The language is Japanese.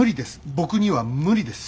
僕には無理です。